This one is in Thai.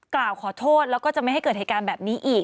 กล่าวขอโทษแล้วก็จะไม่ให้เกิดเหตุการณ์แบบนี้อีก